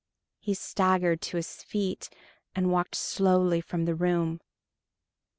He staggered to his feet and walked slowly from the room.